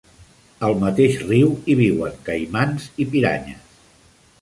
Al mateix riu hi viuen caimans i piranyes.